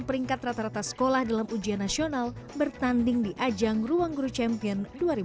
peringkat rata rata sekolah dalam ujian nasional bertanding di ajang ruang guru champion dua ribu dua puluh